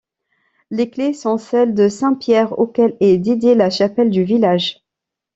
Les clés sont celles de saint Pierre auquel est dédiée la chapelle du village.